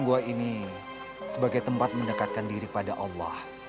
buat sebuah tempat untuk mendekati allah